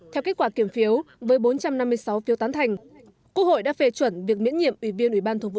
theo kết quả kiểm phiếu với bốn trăm năm mươi sáu phiếu tán thành quốc hội đã phê chuẩn việc miễn nhiệm ủy viên ủy ban thường vụ